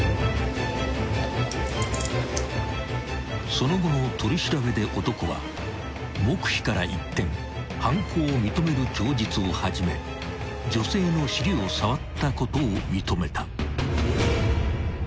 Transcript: ［その後の取り調べで男は黙秘から一転犯行を認める供述を始め女性の尻を触ったことを認めた］